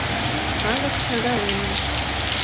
Калык шагалемын.